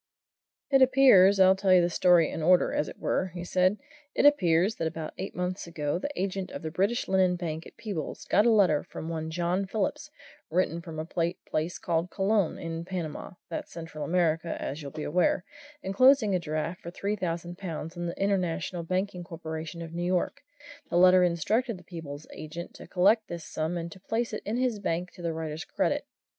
"It appears I'll tell you the story in order, as it were," he said "it appears that about eight months ago the agent of the British Linen Bank at Peebles got a letter from one John Phillips, written from a place called Colon, in Panama that's Central America, as you'll be aware enclosing a draft for three thousand pounds on the International Banking Corporation of New York. The letter instructed the Peebles agent to collect this sum and to place it in his bank to the writer's credit.